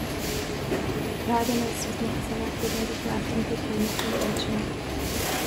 Vagenas was not selected in the draft and became a free agent.